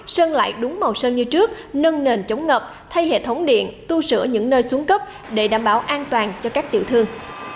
sơn lại đúng màu sơn như trước nâng nền chống ngập thay hệ thống điện tu sửa những nơi xuống cấp để đảm bảo an toàn cho các tiểu thương